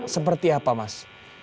seperti apa mas